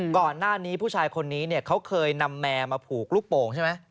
ก่อนหน้านี้ผู้ชายคนนี้เขาเคยนำแมวมาผูกลูกโป่งใช่ไหม